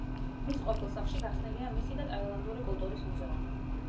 მის ყოფილ სახლში გახსნილია მისი და ტაილანდური კულტურის მუზეუმი.